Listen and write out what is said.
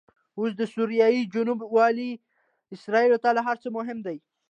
اوس دسوریې جنوب ولې اسرایلو ته له هرڅه مهم دي؟